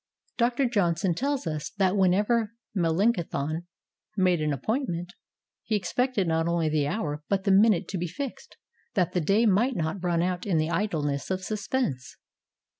Dr. Johnson tells us that "Whenever Melanchthon made an appointment, he expected not only the hour, but the min ute to be fixed, that the day might not run out in the idleness of suspense."